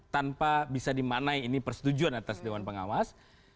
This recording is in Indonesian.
tanpa bisa dimaknai ini persetujuan atas dewan pengawas